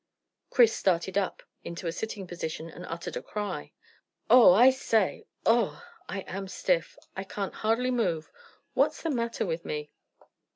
Chris started up into a sitting posture and uttered a cry. "Oh! I say! Ugh! I am stiff. I can't hardly move. What's the matter with me?"